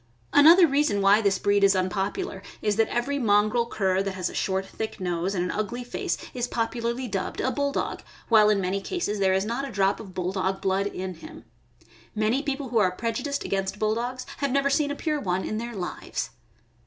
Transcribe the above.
Another reason why this breed is ^unpopular is that every mongrel cur that has a short, thick nose and an ugly face is popularly dubbed a Bulldog, THE BULLDOG. 603 while in many cases there is not a drop of Bulldog blood in him. Many people who are prejudiced against Bulldogs have never seen a pure one in their lives.